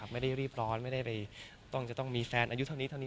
ไม่ได้รีบร้อนไม่ได้ต้องจะต้องมีแฟนอายุเท่านี้เท่านี้